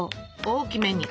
大きめに。